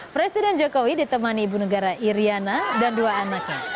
presiden jokowi ditemani ibu negara iryana dan dua anaknya